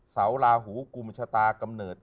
เสาราหูกุมชะตากำเนิด